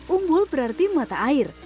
umbul berarti mata air